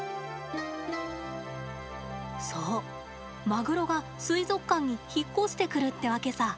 そう、マグロが水族館に引っ越してくるってわけさ。